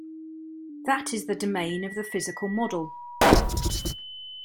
That is the domain of the physical model.